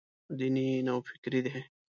دیني نوفکري دی.